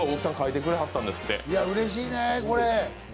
いや、うれしいね、これ。